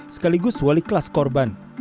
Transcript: sekaligus wali kelas korban